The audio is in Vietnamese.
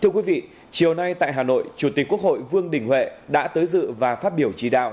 chiều nay tại hà nội chủ tịch quốc hội vương đình huệ đã tới dự và phát biểu chỉ đạo